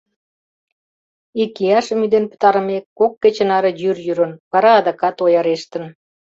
Икияшым ӱден пытарымек, кок кече наре йӱр йӱрын, вара адакат оярештын.